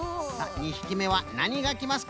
２ひきめはなにがきますか？